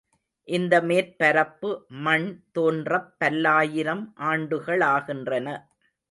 இந்த மேற்பரப்பு மண் தோன்றப் பல்லாயிரம் ஆண்டுகளாகின்றன.